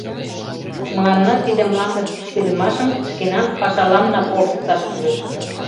— Мыланна тиде мланде пӱчкедымашым шкенан пашаланна полшыкташ кӱлеш.